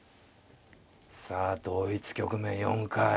さあ同一局面４回。